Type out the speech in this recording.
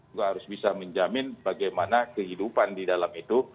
juga harus bisa menjamin bagaimana kehidupan di dalam itu